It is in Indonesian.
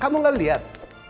kamu gak liat